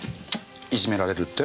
いじめられるって？